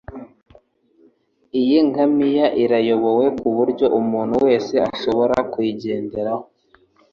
Iyi ngamiya irayobowe kuburyo umuntu wese ashobora kuyigenderaho.